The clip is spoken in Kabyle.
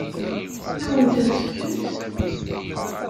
Ad wen-tent-fkent?